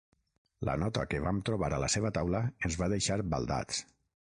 La nota que vam trobar a la seva taula ens va deixar baldats.